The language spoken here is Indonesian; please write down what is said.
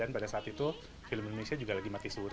pada saat itu film indonesia juga lagi mati suri